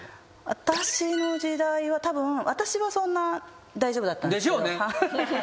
私の時代はたぶん私はそんな大丈夫だったんですけど。でしょうね。